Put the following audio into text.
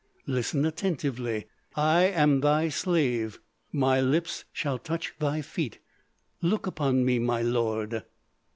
Listen attentively. I am thy slave. My lips shall touch thy feet. Look upon me, my lord!"